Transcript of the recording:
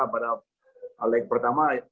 pada leg pertama